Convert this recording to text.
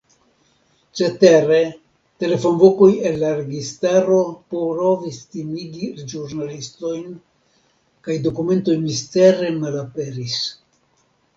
Cetere telefonvokoj el la registaro provis timigi ĵurnalistojn kaj dokumentoj mistere malaperis.